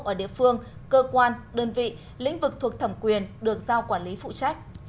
ở địa phương cơ quan đơn vị lĩnh vực thuộc thẩm quyền được giao quản lý phụ trách